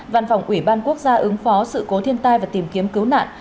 văn phòng ủy ban quốc gia ứng phó sự cố thiên tai và tìm kiếm cứu nạn